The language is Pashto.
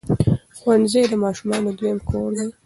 ښوونځی د ماشوم دویم کور دی.